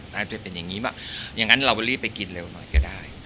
น่าจะเป็นอย่างนี้บ้างอย่างนั้นเรารีบไปกินเร็วหน่อยก็ได้